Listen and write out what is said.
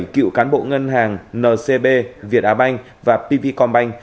một mươi bảy cựu cán bộ ngân hàng ncb việt á banh và pvnh